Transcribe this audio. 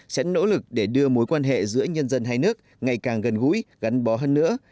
sẽ nỗ lực để đưa mối quan hệ giữa nhân dân hai nước ngày càng gần gũi gắn bó hơn nữa